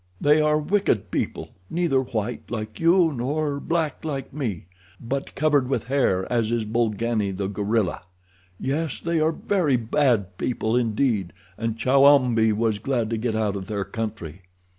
"They are wicked people—neither white like you nor black like me, but covered with hair as is Bolgani, the gorilla. Yes, they are very bad people indeed, and Chowambi was glad to get out of their country."